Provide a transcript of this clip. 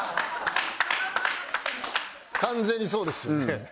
完全にそうですよね。